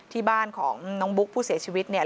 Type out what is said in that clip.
ที่บ้านของน้องบุ๊กผู้เสียชีวิตเนี่ย